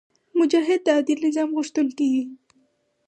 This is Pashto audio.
مجاهد د عادل نظام غوښتونکی وي.